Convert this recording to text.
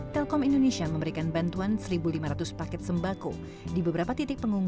telkom indonesia juga menyiagakan seluruh perangkat telekomunikasi dan tim operasional